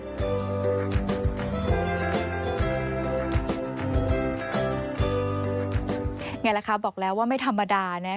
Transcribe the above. ยังไงล่ะคะบอกแล้วว่าไม่ธรรมดานะ